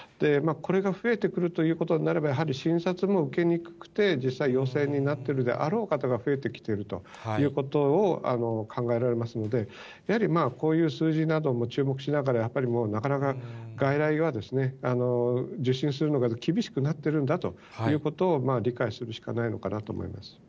これが増えてくるということになれば、やはり診察も受けにくくて、実際陽性になっているであろう方が増えてきているということが考えられますので、やはりこういう数字なども注目しながら、やっぱりなかなか外来は受診するのが厳しくなってるんだということを理解するしかないのかなと思います。